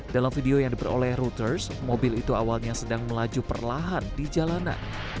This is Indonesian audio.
dalam video yang diperoleh reuters mobil itu awalnya sedang melaju perlahan di jalanan